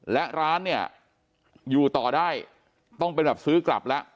และร้านเนี่ยอยู่ต่อได้ต้องเป็นแบบซื้อกลับแล้ว